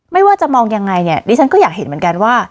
ไม่ว่าจะมองยังไงเนี่ยดิฉันก็อยากเห็นเหมือนกันว่า